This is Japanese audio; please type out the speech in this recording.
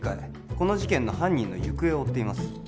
この事件の犯人の行方を追っています